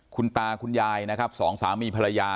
คุณตาคุณยายนะครับสองสามีภรรยา